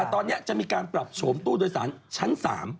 แต่ตอนนี้จะมีการปรับโฉมตู้โดยสารชั้น๓